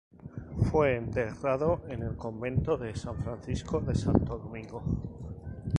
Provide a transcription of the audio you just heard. Fue enterrado en el convento de San Francisco de Santo Domingo.